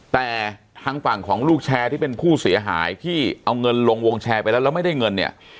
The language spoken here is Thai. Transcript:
แต่ทางฝั่งของลูกแชร์ที่เป็นผู้เสียหายที่เอาเงินลงวงแชร์ไปแล้วแล้วไม่ได้เงินเนี่ย